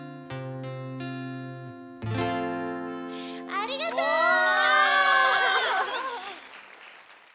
「」「」ありがとう！おお！